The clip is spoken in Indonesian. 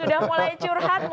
sudah mulai curhat